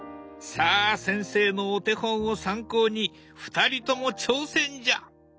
さあ先生のお手本を参考に２人とも挑戦じゃ！